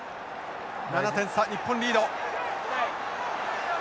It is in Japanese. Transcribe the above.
７点差日本リード。